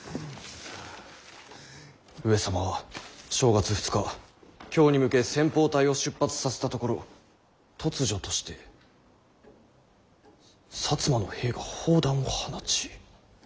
「上様は正月２日京に向け先鋒隊を出発させたところ突如として摩の兵が砲弾を放ち」。